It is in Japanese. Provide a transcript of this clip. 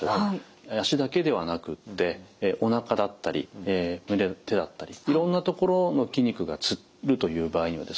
足だけではなくっておなかだったり手だったりいろんなところの筋肉がつるという場合にはですね